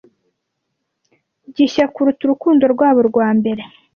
gishya kuruta urukundo rwabo rwa mbere